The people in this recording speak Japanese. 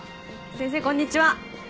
先生こんにちは。